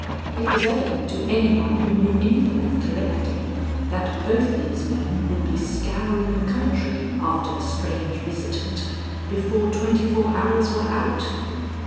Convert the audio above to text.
It was evident to anyone who knew anything of collecting that both these men would be scouring the country after the strange visitant, before twenty four hours were out.